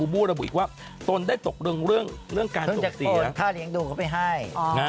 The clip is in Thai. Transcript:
บูบูระบุอีกว่าตนได้ตกลงเรื่องการตกเสีย